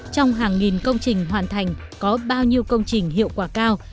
trong hàng nghìn công trình hoàn thành có bao nhiêu công trình hiệu quả cao